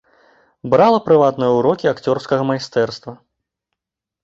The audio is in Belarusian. Брала прыватныя ўрокі акцёрскага майстэрства.